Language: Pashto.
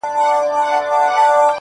چي حملې نه له پردیو وي نه خپلو -